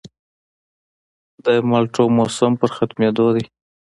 د مالټو موسم په ختمېدو دی